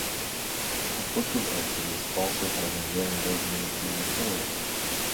The Book of Exodus also has a narrative miniature before it.